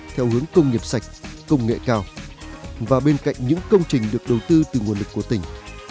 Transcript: theo hướng công nghiệp sạch công nghệ cao và bên cạnh những công trình được đầu tư từ nguồn lực của tỉnh